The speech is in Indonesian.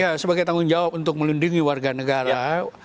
ya sebagai tanggung jawab untuk melindungi warga negara